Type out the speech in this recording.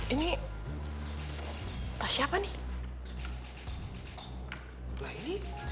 ini tas siapa nih